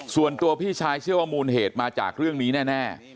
ส่วนตัวพี่ชายเชื่อว่ามูลเหตุมาจากเรื่องนี้แน่